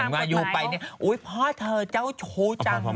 ว่าอยู่ไปพ่อเธอเจ้าโชฟ์จัง